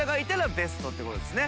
ベストっていうことですね？